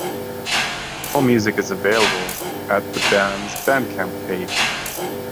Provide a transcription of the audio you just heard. All music is available at the band's bandcamp page.